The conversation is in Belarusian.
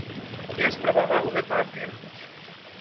Я спрабаваў гэта абвергнуць.